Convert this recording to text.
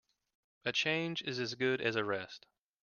A change is as good as a rest.